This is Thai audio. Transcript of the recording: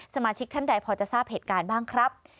สมาชิกท่านใดพอจะทราบเหตุการณ์บ้างครับ